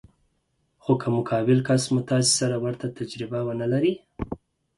خو که مقابل کس مو تاسې سره ورته تجربه ونه لري.